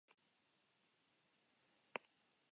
Honek, langileen soldata-orrietan eragina izango luke.